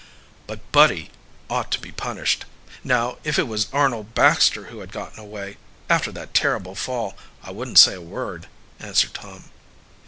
"But Buddy ought to be punished. Now if it was Arnold Baxter who had gotten away after that terrible fall I wouldn't say a word," answered Tom.